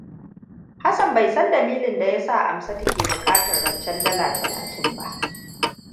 Hassan bai san dalilin da yasa Amsaamtu ke bukatar rancen dala talatin ba.